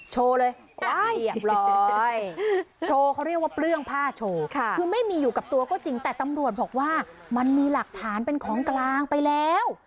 ชัวร์เลยเก็บรอยเย็บพั้งหน่อยเรียกว่าเปลื้องผ้าไม่มีอยู่กับตัวก็จริงแต่ตำรวจบอกว่ามันมีหลักฐานเป็นของกลางไปแล้ว